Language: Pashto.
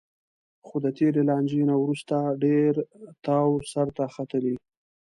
خو د تېرې لانجې نه وروسته ډېر تاو سرته ختلی